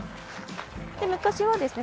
昔はですね